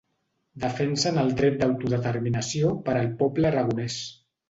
Defensen el dret d'autodeterminació per al poble aragonès.